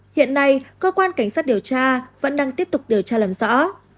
hiện nay cơ quan cảnh sát điều tra vẫn đang tiếp tục điều tra làm rõ